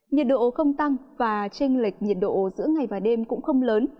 nhiệt độ không tăng và tranh lệch nhiệt độ giữa ngày và đêm cũng không lớn